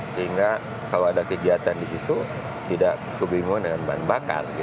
sehingga kalau ada kegiatan di situ tidak kebingungan dengan bahan bakar